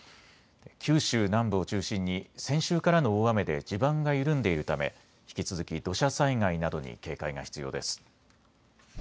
九州南部を中心に先週からの大雨で地盤が緩んでいるため引き続き土砂災害などに警戒が必要です。